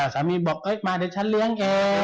สามีบอกมาเดี๋ยวฉันเลี้ยงเอง